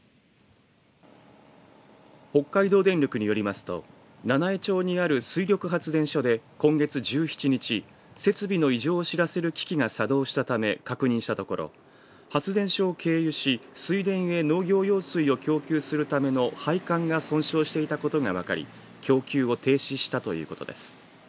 北海道電力によりますと七飯町にある水力発電所で今月１７日設備の異常を知らせる機器が作動したため確認したところ発電所を経由し水田へ農業用水を供給するための配管が損傷していたことが分かり供給を停止したということです。